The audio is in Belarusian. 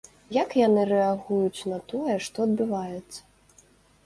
Як яны рэагуюць на тое, што адбываецца?